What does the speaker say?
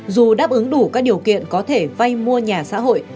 dù đáp ứng đủ các điều kiện có thể vay mua nhà xã hội